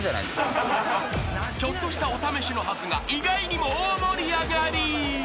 ［ちょっとしたお試しのはずが意外にも大盛り上がり！］